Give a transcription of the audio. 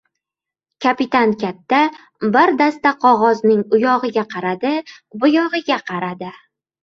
Kapitan katta bir dasta qog‘ozning uyog‘iga qaradi, buyog‘iga qaradi.